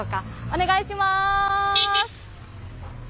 お願いします。